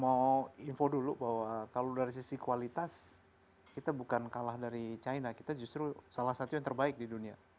mau info dulu bahwa kalau dari sisi kualitas kita bukan kalah dari china kita justru salah satu yang terbaik di dunia